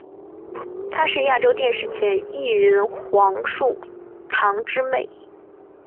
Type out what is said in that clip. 她是亚洲电视前艺人黄树棠之妹。